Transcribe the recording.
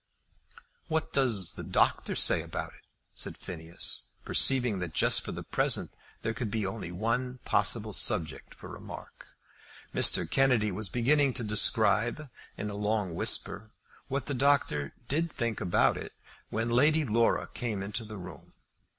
"What does the doctor say about it?" said Phineas, perceiving that just for the present there could be only one possible subject for remark. Mr. Kennedy was beginning to describe in a long whisper what the doctor did think about it, when Lady Laura came into the room.